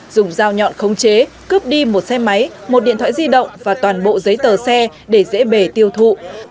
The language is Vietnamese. dùng dao nhọn khống chế cướp đi một xe máy một điện thoại di động và toàn bộ giấy tờ xe để dễ bể tiêu thụ